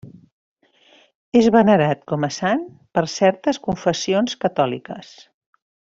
És venerat com a sant per certes confessions catòliques.